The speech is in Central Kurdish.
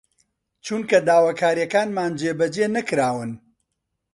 چونکە داواکارییەکانمان جێبەجێ نەکراون